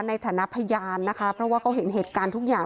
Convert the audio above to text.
ในฐานะพยานนะคะเพราะว่าเขาเห็นเหตุการณ์ทุกอย่าง